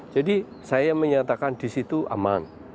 jadi saya menyatakan di situ aman